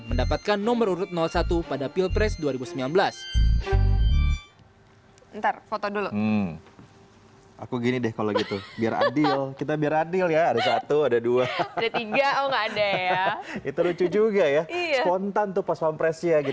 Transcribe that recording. mendapatkan nomor urut satu pada pilpres dua ribu sembilan belas